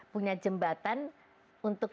punya jembatan untuk